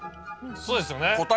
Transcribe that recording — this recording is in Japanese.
そうですよね。